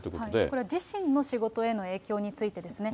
これ、自身の仕事への影響についてですね。